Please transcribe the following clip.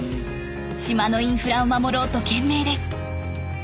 島のインフラを守ろうと懸命です。